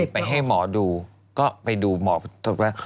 เออไปให้หมอดูก็ไปดูหมอโทษแปลง